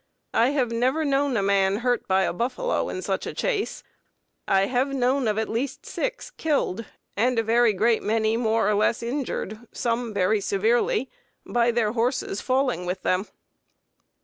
I have never known a man hurt by a buffalo in such a chase. I have known of at least six killed, and a very great many more or less injured, some very severely, by their horses falling with them."